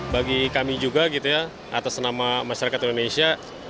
bagi kami juga atas nama masyarakat indonesia